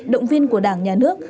động viên của đảng nhà nước